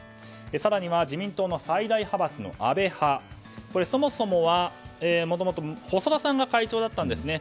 更には自民党の最大派閥の安倍派ですがそもそもはもともと細田さんが会長だったんですね。